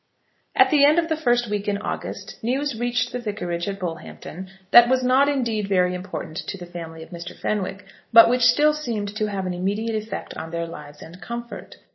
At the end of the first week in August news reached the vicarage at Bullhampton that was not indeed very important to the family of Mr. Fenwick, but which still seemed to have an immediate effect on their lives and comfort.